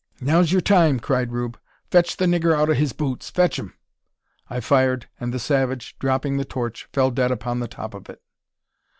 "Now's yur time," cried Rube. "Fetch the niggur out o' his boots! Fetch him!" I fired, and the savage, dropping the torch, fell dead upon the top of it!